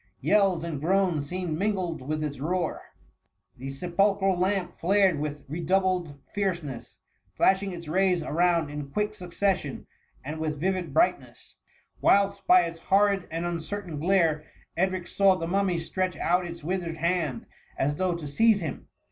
Yells and groans seemed mingled with its roar$ — the sepulchral lamp flared with redoubled fierceness, flashing its rays around in quick succession, and with vivid brightness; whilst by its horrid and uncertain glare, Edric saw the Mummy stretch out its withered hand as though to seize him.